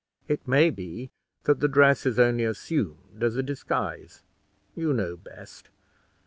It may be that the dress is only assumed as a disguise: you know best.